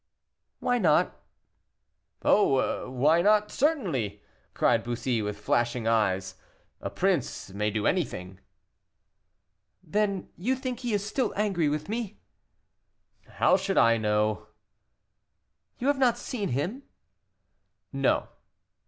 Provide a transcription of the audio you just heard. "Why not?" "Oh, why not, certainly," cried Bussy, with flashing eyes, "a prince may do anything." "Then you think he is still angry with me?" "How should I know?" "You have not seen him?" "No."